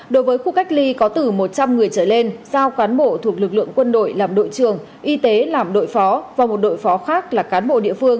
đối với khu cách ly có từ một trăm linh người trở lên giao cán bộ thuộc lực lượng quân đội làm đội trường y tế làm đội phó và một đội phó khác là cán bộ địa phương